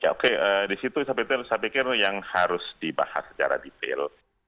oke disitu saya pikir yang harus dibahas secara detail